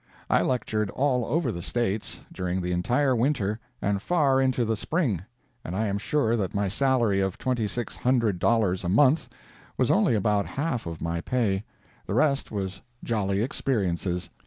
I lectured all over the States, during the entire winter and far into the spring, and I am sure that my salary of twenty six hundred dollars a month was only about half of my pay—the rest was jolly experiences.